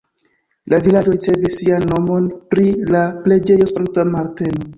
La vilaĝo ricevis sian nomon pri la preĝejo Sankta Marteno.